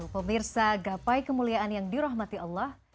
pemirsa gapai kemuliaan yang dirahmati allah